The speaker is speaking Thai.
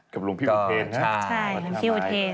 กับหลวงพี่อุทเทนใช่